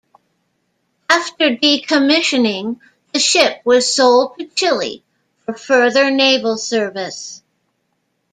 After decommissioning, the ship was sold to Chile for further naval service.